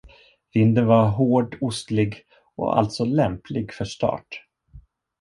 Vinden var hård ostlig och alltså lämplig för start.